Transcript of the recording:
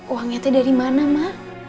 uangnya dari mana ma